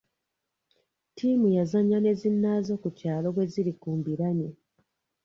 Ttiimu yazaannya ne zinnaazo ku kyalo bwe ziri ku mbiranye.